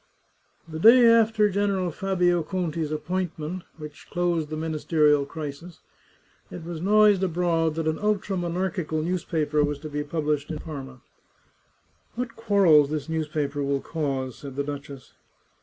The day after General Fabio Conti's appointment, which closed the ministerial crisis, it was noised abroad that an ultra monarchical newspaper was to be published in Parma. 129 The Chartreuse of Parma What quarrels this newspaper will cause!" said the duchess.